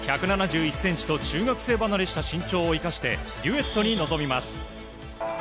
１７１ｃｍと中学生離れした身長を生かしてデュエットに臨みます。